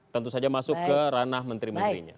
tentu saja masuk ke ranah menteri menterinya